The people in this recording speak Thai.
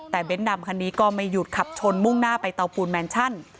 แต่เน้นดำคันนี้ก็ไม่หยุดขับชนมุ่งหน้าไปเตาปูนแมนชั่น